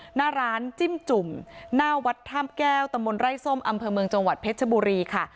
หน้าร้านจิ้มจุ่มหน้าวัดท่ามแก้วตำบลไร่ส้มอำเภอเมืองจังหวัดเพชรบุรีค่ะ